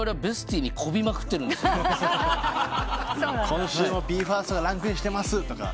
「今週もＢＥ：ＦＩＲＳＴがランクインしてます」とか。